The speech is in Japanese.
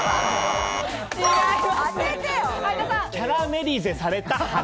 キャラメリゼされた花。